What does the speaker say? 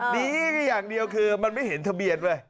ดีอย่างเดียวคือมันไม่เห็นทะเบียนเว้ย